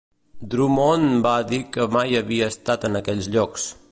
Drummond va dir que mai havia estat en aquells llocs.